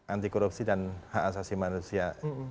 anti korupsi dan hak asasi manusia